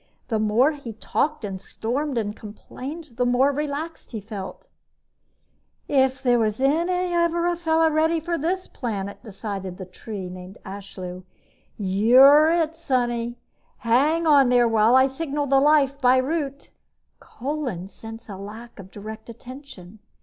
The more he talked and stormed and complained, the more relaxed he felt. "If there was ever a fellow ready for this planet," decided the tree named Ashlew, "you're it, Sonny! Hang on there while I signal the Life by root!" Kolin sensed a lack of direct attention.